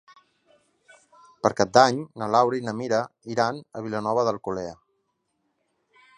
Per Cap d'Any na Laura i na Mira iran a Vilanova d'Alcolea.